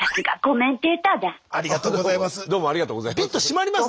ありがとうございます。